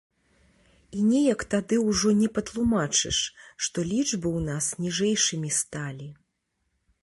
І неяк тады ўжо не патлумачыш, што лічбы ў нас ніжэйшымі сталі.